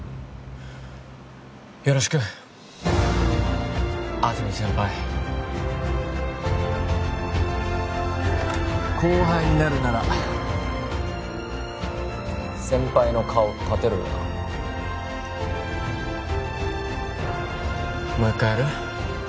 よろしく安積先輩後輩になるなら先輩の顔立てろよなもう一回やる？